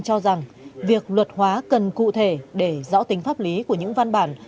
cho rằng việc luật hóa cần cụ thể để rõ tính pháp lý của những văn bản